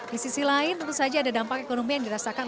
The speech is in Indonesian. di sisi lain tentu saja ada dampak ekonomi yang dirasakan